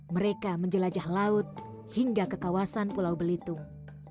mereka menjelajah laut hingga ke kawasan pulau belitung